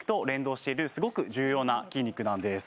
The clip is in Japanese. しているすごく重要な筋肉なんです